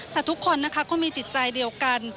แต่ทุกคนนะคะก็มีจิตใจเดียวกัน